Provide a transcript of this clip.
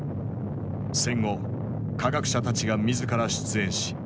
戦後科学者たちが自ら出演し製作された。